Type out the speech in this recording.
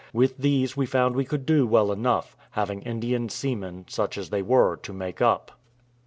With these we found we could do well enough, having Indian seamen, such as they were, to make up.